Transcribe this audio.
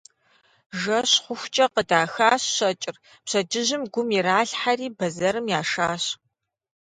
Жэщ хъухукӀэ къыдахащ щэкӀыр, пщэдджыжьым гум иралъхьэри бэзэрым яшащ.